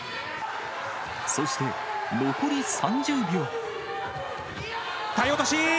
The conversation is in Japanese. そして残り３０秒。